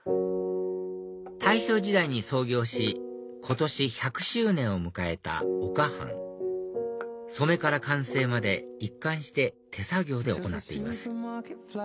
大正時代に創業し今年１００周年を迎えた岡半染めから完成まで一貫して手作業で行っています